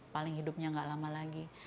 paling hidupnya gak lama lagi